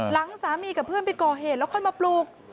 หลังสามีกับเพื่อนไปก่อเหตุแล้วค่อยมาปลูก